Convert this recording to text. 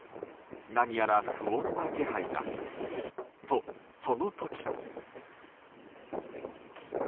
何やら不穏な気配がとその時。